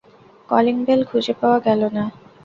Calling bell খুঁজে পাওয়া গেল না।